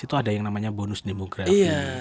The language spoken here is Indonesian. itu ada yang namanya bonus demografi